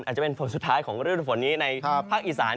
จะเป็นฝนสุดท้ายของฤดูฝนนี้ในภาคอีสาน